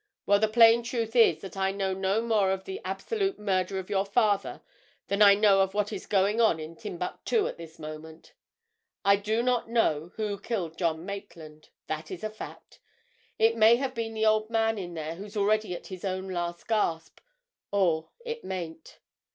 Well, the plain truth is that I know no more of the absolute murder of your father than I know of what is going on in Timbuctoo at this moment! I do not know who killed John Maitland. That's a fact! It may have been the old man in there who's already at his own last gasp, or it mayn't.